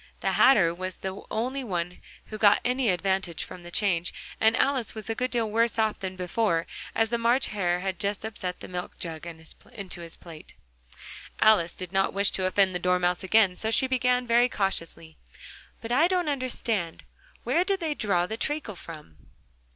The Hatter was the only one who got any advantage from the change: and Alice was a good deal worse off than before, as the March Hare had just upset the milk jug into his plate. Alice did not wish to offend the Dormouse again, so she began very cautiously: "But I don't understand. Where did they draw the treacle from?"